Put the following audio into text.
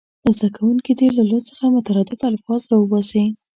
زده کوونکي دې له لوست څخه مترادف الفاظ راوباسي.